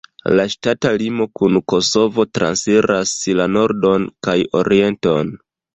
La ŝtata limo kun Kosovo transiras la nordon kaj orienton.